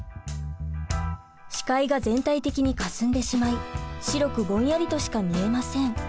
視界が全体的にかすんでしまい白くぼんやりとしか見えません。